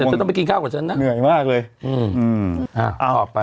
เดี๋ยวเธอต้องไปกินข้าวกับฉันนะเหนื่อยมากเลย